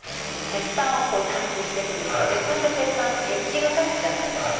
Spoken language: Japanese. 鉄板を鍛金してくんですけど鉄板と鉄板エッジが立つじゃないですか。